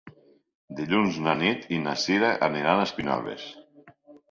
Dilluns na Nit i na Sira aniran a Espinelves.